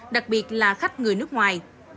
đặc biệt là khách người nước ngoài